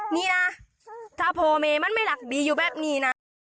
นี่นะถ้าโพเมมันไม่หลักบีอยู่แบบนี้นะ